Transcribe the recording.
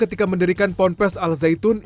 ketika mendirikan ponpes al zaitun